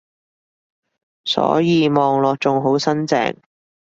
所以望落仲好新淨